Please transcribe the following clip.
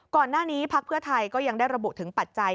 ก่อนหน้านี้ภักดิ์เพื่อไทยก็ยังได้ระบุถึงปัจจัย